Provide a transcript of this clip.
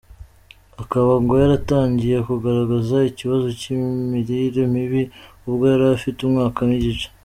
Akaba ngo yaratangiye kugaragaza ikibazo cy’imirire mibi ubwo yari afite umwaka n’igice.